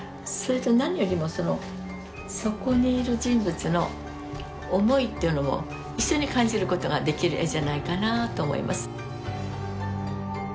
それと何よりもそのそこにいる人物の思いっていうのも一緒に感じることができる絵じゃないかなあと思います。